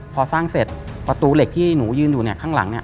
พอสร้างเสร็จประตูเหล็กที่หนูยืนอยู่ข้างหลัง